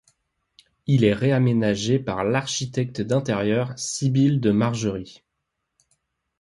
Il est réaménagé par l'architecte d'intérieur Sybille de Margerie.